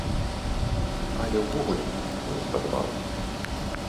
Але ўвогуле, мне спадабалася.